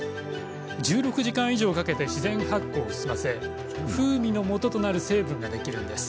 １６時間以上かけて自然発酵を進ませ風味のもととなる成分ができるんです。